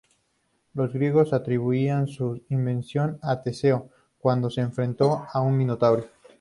Los griegos atribuían su invención a Teseo, cuando se enfrentó al Minotauro.